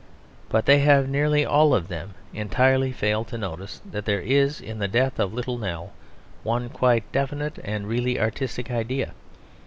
But they have nearly all of them entirely failed to notice that there is in the death of Little Nell one quite definite and really artistic idea.